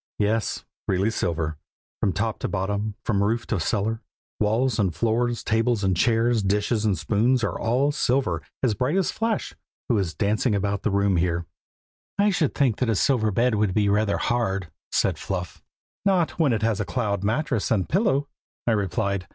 "Yes, really silver, from top to bottom, from roof to cellar, walls and floors, tables and chairs, dishes and spoons are all silver, as bright as Flash, who is dancing about the room here." "I should think a silver bed would be rather hard," said Fluff. "Not when it has a cloud mattress and pillow," I replied.